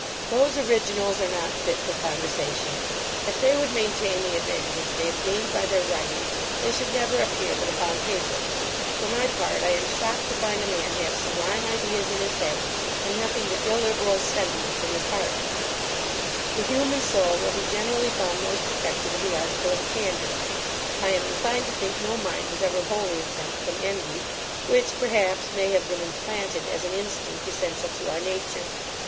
Those originals are not fit for conversation. If they would maintain the advantage they have gained by their writing, they should never appear but upon paper For my part, I am shocked to find a man have sublime ideas in his head, and nothing but illiberal sentiments in his heart The human soul will be generally found most defective in the article of candour I am inclined to think, no mind was ever wholly exempt from envy; which, perhaps, may have been implanted, as an instinct essential to our nature.